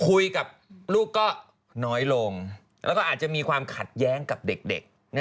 คุยกับลูกก็น้อยลงแล้วก็อาจจะมีความขัดแย้งกับเด็ก